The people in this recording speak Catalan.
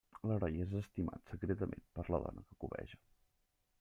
L'heroi és estimat secretament per la dona que cobeja.